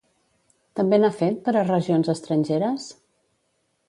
També n'ha fet per a regions estrangeres?